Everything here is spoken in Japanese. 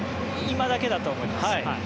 今だけだとは思います。